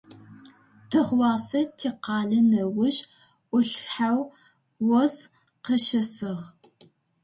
Тыгъуасэ тикъалэ ныожъ Ӏулъхьэу ос къыщесыгъ.